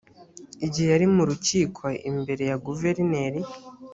igihe yari mu rukiko imbere ya guverineri